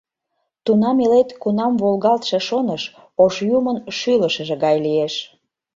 Тунам илет, Кунам волгалтше шоныш Ош Юмын шӱлышыжӧ гай лиеш!